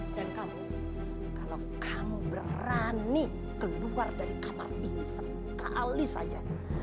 dan kamu kalau kamu berani keluar dari kamar ini sekali saja